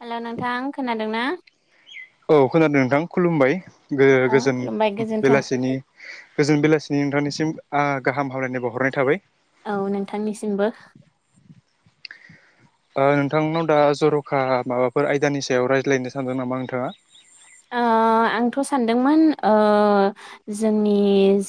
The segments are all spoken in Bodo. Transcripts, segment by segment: हेल नोंथां खोनादों ना? औ खोनादों नोंथां खुलुमबाय। औ गोजोन खुलुमबाय गोजोन्थों। बेलासिनि गोजोन बेलासिनि नोंथांनिसिम गाहाम हामलायनायबो हरनाय थाबाय औ नोंथांनिसिमबो नोंथांनाव दा जर'खा माबाफोर आयदानि सायाव रायज्लायनो सानदों नामा नोंथाङा [inaudible] ओ आंथ' सानदोंमोन ओ जोंनि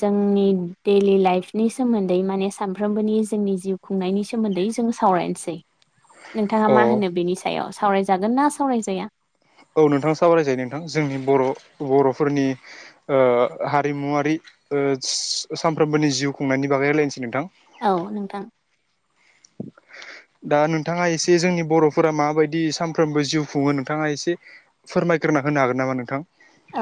जोंनि डैलि लाइफनि नि सोमोन्दै माने सानफ्रामबोनि जोंनि जिउ खुंनायनि सोमोन्दै जों सावरायनोसै [inaudible] नोंथाङा अ मा होनो बेनि सायाव सावरायजागोन ना सावरायजाया औ नोंथां सावरायजायो नोंथां जोंनि बर' बर'फोरनि हारिमुवारि सानफ्रोमबोनि जिउ खुंनायनि बागै राय्लायनोसै नोंथां औ नोंथां [inaudible] दा नोंथाङा एसे जोंनि बर'फोरा माबायदि सानफ्रोमबो जिउ खुङो नोंथाङा एसे फोरमायग्रो ना होनो हागोन नामा नोंथां औ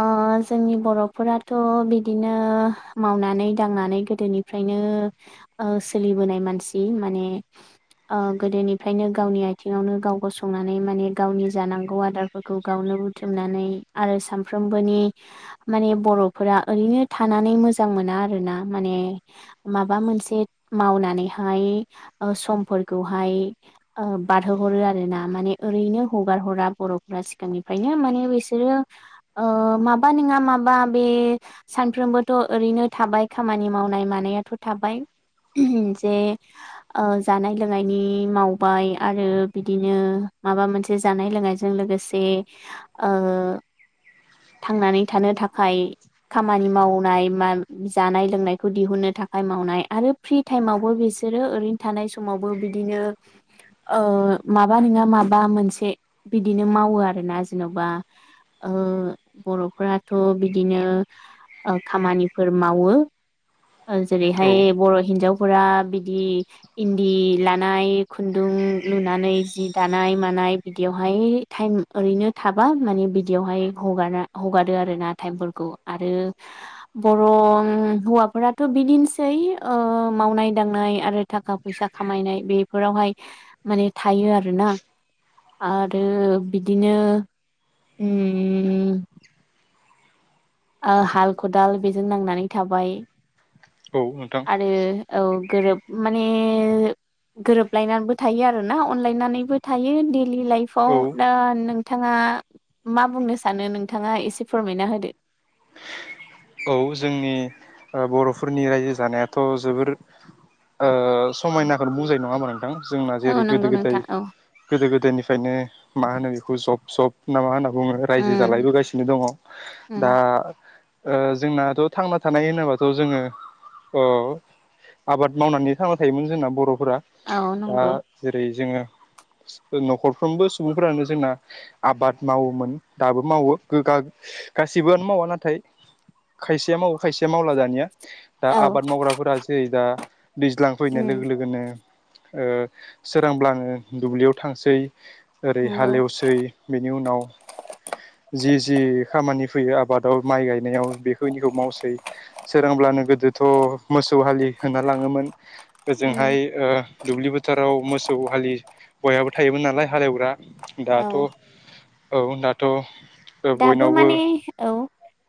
औ जोंनि बर'फोराथ' बिदिनो मावनानै दांनानै गोदोनिफ्राय सोलिबोनाय मानसि मान गोदोनिफ्रायनो गावनि आ आथिङावनो गाव गसंनानै माने गावनि जानांगौ आदारफोरखौ गावनो बुथुमनानै आरो सामफ्रोमबोनि माने बर'फोरा ओरैनो थानानै मोजां मोना आरोना माने माबा मोनसे मावनानैहाय बारो हरो आरोना माने ओरैनो हगार हरा बर'गांनि बेनो मान बिसोरो ओ माबा नङा माबा बे सानफ्रबोथ' बिनो थाबाय खामानि मावनाय मानायाथ' थाबाय जे ओ जानाय लोंनायनि मावबाय आरो बिदिनो माबा मोनसे जानाय लोंनायजों लोगोसे थांनानै थानो थाखाय खामानि मावनाय मा जानाय लोंनायखौ दिहुननो थाखाय मावनाय आरो फ्रि टाइमावबो बि बिसोरो ओरैनो थानाय समावबो बिदिनो ओ माबा नङा माबा मोनसे बिदिनो मावो आरोना जेन'बा ओ बर'फथ' बिदिनो खामानिफो आरो मावो। औ जेरैहाय बर' हिन्जावफोरा बिदि इन्दि लानाय खुन्दुं। लुनानै जि दानाय मानाय बिदियावहाय टाइम ओरैनो थाबा मान बिदियावहा य हगारा हगरो आरोना आरो टाइम फोरखौ आरो बर' हौ फोरथ' बिदिनोसै मावनाय दांनाय आरो थाखा फैसा खामायनाय बेफोरावहाय। माने थायो आरोना। आरो बिदिनो उम ओ हाल खदाल बेजों नांनानै थाबाय औ नोंथां आरो औ। गोरोब माने गोरोबलायनानैबो थायो आरोना अनलायनानैबो थायो। दि औ लाइफावदा नों थाङा मा बुंनो सानो? नोंथाङा एसे फोरमायना होदो। औ जोंनि बर'फोरनि रायजो जानायाथ' जोबोर ओ समायनाखौनो बुजाय नङामा नोंथां। जोंना जेरै औ गोदो नंगौ गोदाय नोंथां औ गोदो गोदायनिफ्रायनो मा होनो बेखौ जब जब ना मा होनना बुङो रायजो उम जालायबोगासिनो दङ दा। उम जोंनाथ' थांना थानाय होनोबाथ' जोङो अ आबाद मावनानै थांना थायोमोन जोंना बर'फोरा औ दा नंगौ जेरै जोङो न'खरफ्रोमबो सुबुंफ्रानो जोंना आबाद मावोमोन दाबो मावो गोगा। गासिबोआनो मावा नाथाय खायसेया मावो खायसेया मावला दानिया दा औ आबाद मावग्राफोरा जेरै दा दैज्लां फैनाय लोगो उम लोगोनो ओ सोरांब्लानो दुब्लियाव थांसै। ओरै नंगौ हालेवसै बेनि उनाव जि जि खामानि फैयो आबादाव माइ गायनायाव बेखौनिखौ मावसै सोरांब्लानो गोदोथ' मोसौ हालि होनना लाङोमोन। ओजोंहाय उम ओ दुब्लि बोथोराव मोसौ हालि बयहाबो थायोमोन नालाय हालेवग्रा दाथ' औ औ दाथ' दाबो बयनावबो माने औ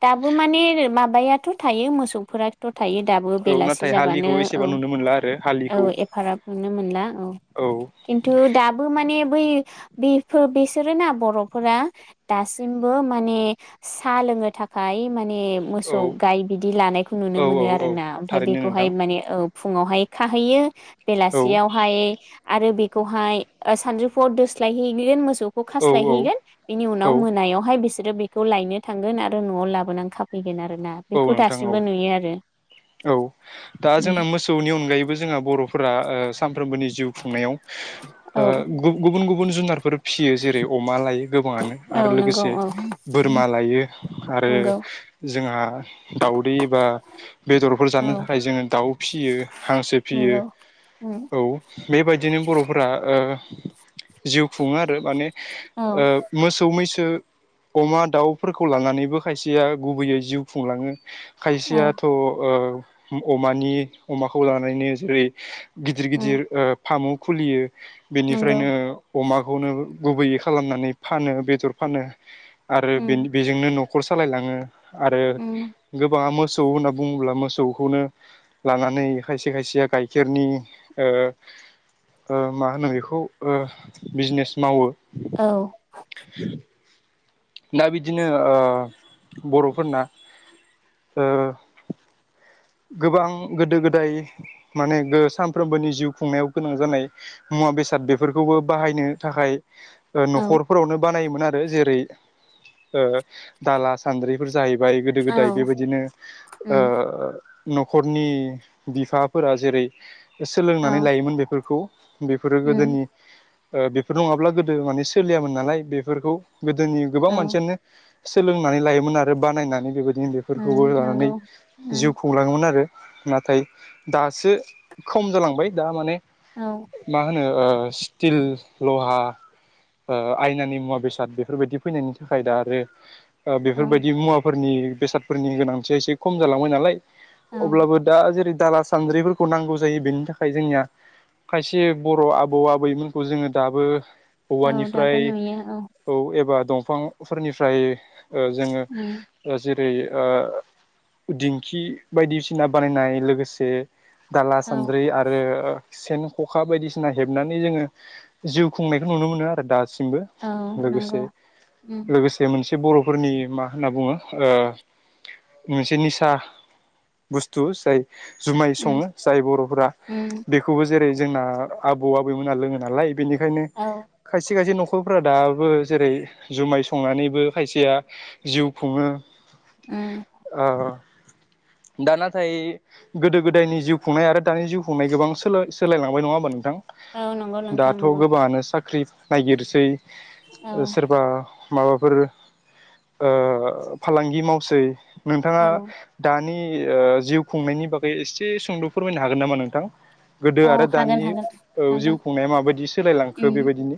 दाबो माने माबायाथ' थायो मोसौफोराथ' थायो दाबो औ बेलासि नाथाय हालिखौ जाबानो औ। एसेबां नुनो मोनला आरो औ हालिखौ एफाराब नुनो मोनला औ खिन्थु दाबो माने बै बेफोर बिसोरोना बर'फोरा दा दासिमबो माने साहा लोंनो थाखाय मा माने मोसौ औ गाय बिदि लानायखौ नुनो औ मोनो औ आरोना ओमफ्राय थारैनो नोंथां बेखौहाय माने औ फुङावहाय खाहैयो औ बेलासियावहाय आरो बे मौसौखौहाय सानजौफुआव दोस्लायहैगोन मोसौखौ औ खास्लायहैगोन औ बिनि औ उनाव मोन बेनिफ्राय बिसोरो बेखौ लायनो थांगोन आरो न'आव लाबोनानै खाफैगोन आरो। आरोना औ बेखौ नोंथां दासिमबो नुयो औ औ दा जोंना मोसौनि अनगायैबो जोंहा बर' फोरा ओ सानफ्रोमबोनि जिउ खुंनायाव औ ओ गुबुन-गुबुन जुनारफोर फियो जेरै अमा लायो गोबाङानो आरो औ नंगौ लोगोसे औ बोरमा लायो आरो नंगौ जोंहा दाउदै एबा बेदरफोर जानो औ थाखाय जोङो दाउ फिसियो हांसो फियो। नंगौ औ बेबायदिनो बर'फोरा ओ जिउ खुङो आरो माने औ ओ मोसौ-मैसो अमा दाउफोरखौ लानानैबो खायसेया गुबैयै जिउ खुंलाङो। औ खायसेयाथ' ओ अमानि अमाखौ लानानैनो जेरै गिदिर उम गिदिर ओ फार्म खुलियो नंगौ बेनिफ्रायनो अमाखौनो गुबैयै खालामनानै फानो बेदर फानो आरो उम बेजोंनो न' नखर सालायलाङो आरो उम गोबाङा मोसौ सौ होनना बुङोब्ला मोसौखौनो लानानै खायसे खायसेया गाइखेरनि ओ ओ मा होनो बेखौ ओ बिजनेस मावो। औ। दा बिदिनो ओ बर'फोरना ओ गोबां गोदो-गोदाय माने सानफ्रोमबोनि जिउ खुंनायाव गोनां जानाय मुवा बे साद बेफोरखौबो बाहायनो थाखाय औ न'खरफोरावनो बानायोमोन आरो जेरै ओ दाला-सान्द्रिफोर जाहै बाय गोदो गोदाय औ बेबायदिनो उम ओ न'खरनि बिफाफोरा जेरै औ सोलोंनानै लायोमोन बेफोरखौ बेफोरो उम गोदोनि ओ बेफोर नङाब्ला गोदो माने सोलियामोन नालाय बेफोरखौ गोदोनि गोबां औ मानसियानो सोलोंनानै लायोमोन आरो बानायनानै बेबायदिनो उम बेफोरखौबो लानानै नंगौ जिउ उम खुंलाङोमोन आरो। नाथाय दासो खम जालांबाय दा माने औ मा ओ स्टिल लहा ओ आयनानि मुवा बेसाद बेफोरबायदि फैनायनि थाखाय दा आरो ओ औ बेफोरबायदि मुवाफोरनि बेसादफोरनि गोनांथिया एसे खम जालांबाय नालाय औ अब्लाबो दा जेरै दाला सान्द्रिफोरखौ नांगौ जायो बेनि थाखाय जोंनिया खायसे बर' आबौ आबैमोनखौ जोङो दाबो औ दाबो औवानिफ्राय नुयो औ एबार दंफांफोरनिफ्राय ओ जोङो उम ओेरै ओ दिंखि बायदिसिना बानायनाय लोगोसे दाला औ सान्द्रि आरो सेन ख'खा बायदिसिना हेबनानै जोङो जिउ खुंनायखौ नुनो मोनो आरो दा सिमबो औ लोगोसे नंगौ उम लोगोसे मोनसे बर'फोरनि मा होनना बुङो ओ मोनसे निसा। बुस्थु जाय जुमाय सङो उम जाय बर'फोरा उम बेखौबो जेरै जोंना आबौ आबैमोना लोङो नालाय बेनिखायनो औ खायसे खायसे न' खरफ्रा दाबो जेरै जुमाय संनानैबो खायसेया जिउ खुङो। उम औ। दा नाथाय गोदो गोदायनि जिउ खुंनाय आरो दानि जिउ खुंनाय गोबां सोलाय सोलायलांबाय नङा होमबा औ नंगौ नोंथां नोंथां दाथ' नंगौ गोबाङानो साख्रि नायगिरसै। [unintelligible] माबाफोर ओ फालांगि मावसै। नोंथाङा औ दानि ओ जिउ खुंनायनि बागै एसे सुंद' फोरमायनो हागोन नामा नोंथां? गोदो अ आरो हागोन दानि हागोन ओ जिउ हागोन खुंनाया माबायदि सोलायलांखो उम बेबायदिनो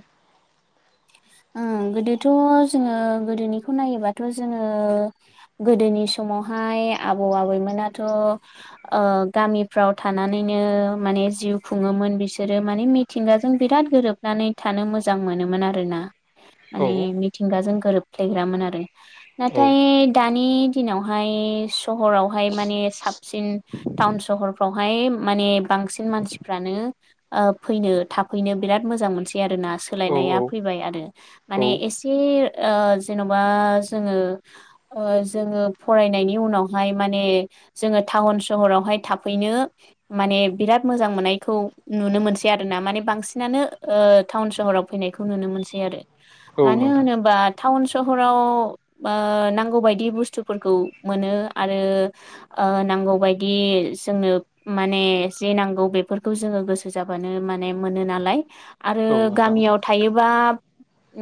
ओं गोदो थ जोङो गोदोनिखौ नायोबाथ' जोङो गोदोनि समावहाय आ बौ आबैमोनाथ' ओ गामिफ्राव थानानैनो माने जिउ खुङोमोन बिसोरो माने मिथिंगाजों बिराद गोरोबनानै थानो मोजां मोनोमोन आरोना। माने औ मिथिंगाजों गोरोबफ्लेग्रामोन आरो औ नाथाय दानि दिनावहाय सहरावहाय माने साबसिन टाउन सहरफ्रावहाय माने बांसिन मानसिफ्रानो ओ फैनो थाफैनो बिराद मोजां मोनसै। आरोना औ औ सोलायनाया फैबाय आरो औ माने एसे ओ जेन'बा जोङो ओ जोङो फरायनायनि उनावहाय माने जोङो टाउन सहरावहाय थाफैनो माने बिराद मोजां मोननायखौ नुनो मोनसै आरो ना माने बांसिनानो ओ टाउन सहराव फैनायखौ नुनो मो नसै आरो औ मानो नोंथां होनोबा टाउन सहराव बा नांगौ बायदि बुस्थुफोरखौ मोनो आरो ओ नांगौबायदि जोंनो माने जे नांगौ बेफोरखौ जोङो गोसो जाबानो माने मोनो नालाय। आरो औ नोंथां गामियाव थायोबा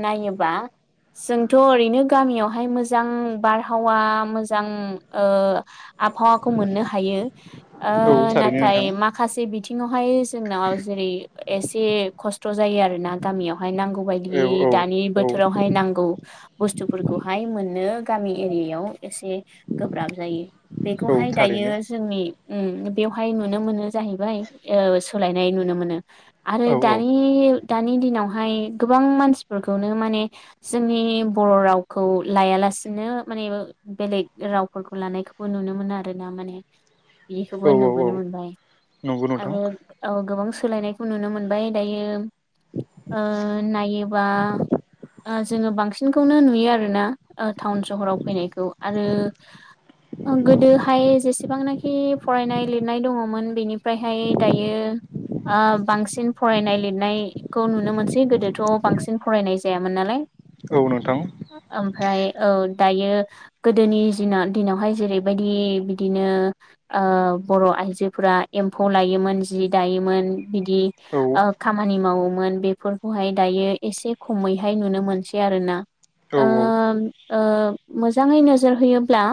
नायोबा जोंथ' ओरैनो गामियावहाय मोजां बारहावा मोजां आबहावाखौ मोननो हायो औ थारैनो नाथाय नोंथां माखासे बिथिङावहाय जोंनाव जेरै एसे खस्थ' जायो आरोना गामियावहाय नांगौ बायदि औ औ दानि औ बोथो- रावहाय नांगौ बुस्थुफोरखौहाय मोननो गामि एरियायाव एसे गोब्राब जायो औ बेखौहाय थारैनो दायो जोंनि बेवहाय नुनो मोनो जाहैबाय सोलायनाय नुनो मोनो आरो औ औ दानि दानि दिनावहाय गोबां मानसिफोरखौनो माने जोंनि बर' रावखौ लायाला- सिनो माने बेलेग रावफोरखौ लानायखौबो नुनो मोनो आरोना माने बिदिखौबो औ औ नुबोनो औ मोनबाय नंगौ नोंथां आरो औ गोबां सोलायनायखौ नुनो मोनबाय दायो नायोबा जोङो बांसिनखौनो नुयो आरोना टाउन सहराव फैनायखौ आरो गोदोहाय जेसेबांनाखि फरायनाय लिरनाय दङमोन बेनिफ्रायहाय दायो बांसिन फरायनाय लिरनायखौ नुनो मोनसै गोदोथ' बांसिन फरायनाय जायामोन नालाय। औ नोंथां ओमफ्राय औ। दायो गोदोनि दिनावहाय जेरैबायदि बिदिनो बर'आ आइजोफोरा एम्फौ लायोमोन जि दायोमोन बिदि औ खामानि मावोमोन मोन बेफोरखौहाय दायो एसे खमैहाय नुनो मोनसै आरोना। औ औ मोजाङै नोजोर होयोब्ला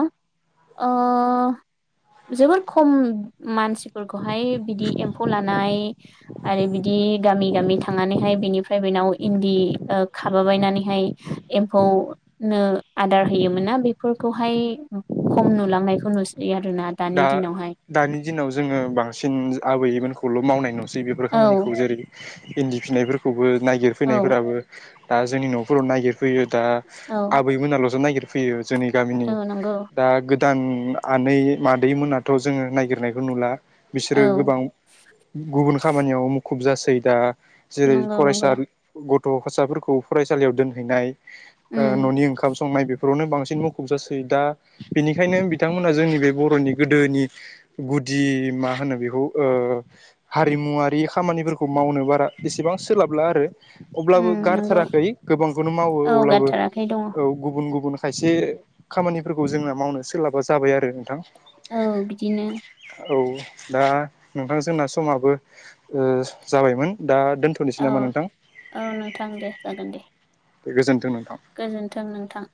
जोबोर खम मानसि फोरखौहाय बिदि एम्फौ लानाय आरो बिदि गामि गामि थांनानैहाय बिनिफ्राय इन्दि खाबायबायनानै हाय एम्फौ नो आदार होयोमोनना? फोरखौहाय खम नुलांनायखौ नुसै आरोना दानि दा दिनावहाय दानि दिनाव जोङो। बांसिन आबैमोनखौल' मावनाय नुसै बेफोर औ खामानिखौ जेरै इन्दि फिनायफोरखौबो औ नायगिरफैनायफोराबो दा जोंनि न'फोराव नायगिर फैयो दा औ आबै मोनाल'सो नागिरैयो फैयो जोंनि गामिनि औ नंगौ दा गोदान आनै मादै मोनाथ' जोङो नायागिरनायखौ नुला बिसोरो औ गोबां गुबुन खामानियाव मुखुब जासै दा जेरै नंगौ नंगौ फरायसा' गथ' साफोरखौ फरायसालियाव दोनहैनाय उम न'नि ओंखाम संनाय बे फोरावनो बांसिन मुखुब जासै दा बेनिखायनो बिथांमोना जोंनि बे नि गोदोनि गुदि मा होनो बेखौ हारिमुवारि खामानिफोरखौ मावनो बारा एसेबां सोलाबला आरो अब्लाबो उम नंगौ गारथाराखै गोबांखौनो मावो औ अब्लाबो गारथाराखै दङ औ गुबुन गुबुन खायसे खामानिफोरखौ जोंना मावनो सोलाबा जाबाय आरो नोंथां औ बिदिनो औ दा नोंथांजोंना समाबो जाबायमोन दा दोनथ'नोसै औ नामा नोंथां औ नोंथां दे जागोन दे गोजोनथों गोजोन्थों नोंथां